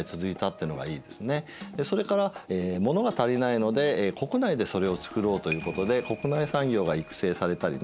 それから物が足りないので国内でそれを作ろうということで国内産業が育成されたりね。